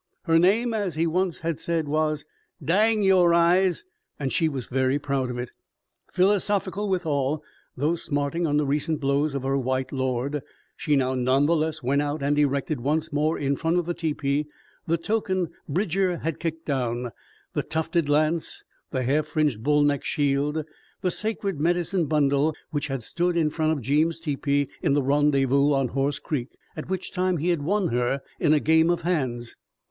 Her name, as he once had said, was Dang Yore Eyes and she was very proud of it. Philosophical withal, though smarting under recent blows of her white lord, she now none the less went out and erected once more in front of the tepee the token Bridger had kicked down the tufted lance, the hair fringed bull neck shield, the sacred medicine bundle which had stood in front of Jeem's tepee in the Rendezvous on Horse Creek, what time he had won her in a game of hands.